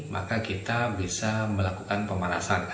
maka kita bisa melakukan pemanasan